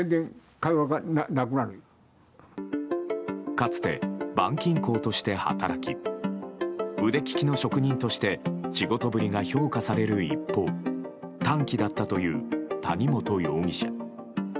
かつて、板金工として働き腕利きの職人として仕事ぶりが評価される一方短気だったという谷本容疑者。